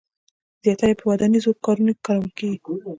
زیاتره یې په ودانیزو کارونو کې کارول کېږي.